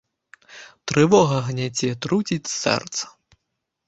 Трывога гняце, труціць сэрца.